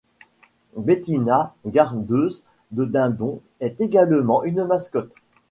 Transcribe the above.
Bettina, gardeuse de dindons, est également une mascotte.